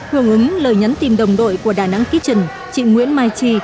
hưởng ứng lời nhắn tìm đồng đội của đà nẵng kitchen chị nguyễn mai trì